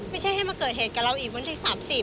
ไม่ใช่ให้มาเกิดเหตุกับเราอีกวันที่๓๐